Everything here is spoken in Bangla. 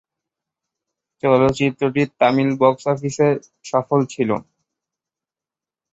চলচ্চিত্রটি তামিল বক্স অফিসে সফল ছিলো।